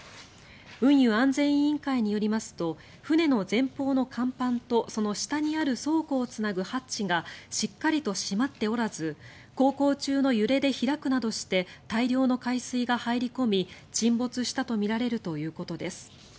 運輸安全委員会によりますと船の前方の甲板とその下にある倉庫をつなぐハッチがしっかりと閉まっておらず航行中の揺れで開くなどして大量の海水が入り込み沈没したとみられるということです。